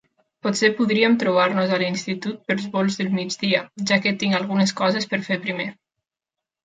Potser podríem trobar-nos a l'institut pels volts del migdia, ja que tinc algunes coses per fer primer.